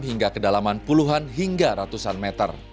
hingga kedalaman puluhan hingga ratusan meter